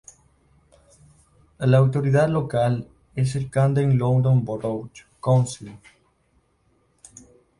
La autoridad local es el Camden London Borough Council.